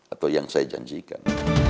atau yang saya janjikan